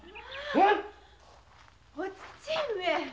お父上！